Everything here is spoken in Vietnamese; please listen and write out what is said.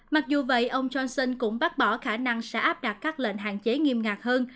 mặc dù vậy ông johnson cũng bác bỏ khả năng sẽ áp đặt các lệnh hạn chế nghiêm ngặt hơn